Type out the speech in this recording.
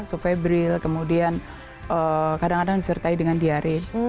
subfebril kemudian kadang kadang disertai dengan diari